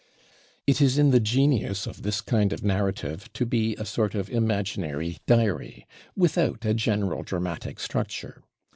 It is in the genius of this kind of narrative to be a sort of imaginary diary, without a general dramatic structure.